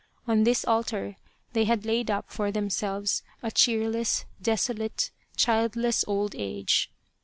On this altar they had laid up for themselves a cheerless, desolate, childless old age.